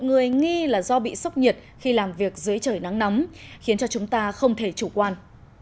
một người nghi là do bị sốc nhiệt khi làm việc dưới trời nắng nóng khiến cho chúng ta không thể chủ quan